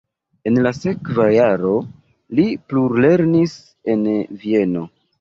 En la sekva jaro li plulernis en Vieno.